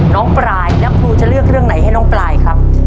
ปลายแล้วครูจะเลือกเรื่องไหนให้น้องปลายครับ